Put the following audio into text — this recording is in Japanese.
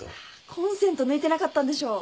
コンセント抜いてなかったんでしょ。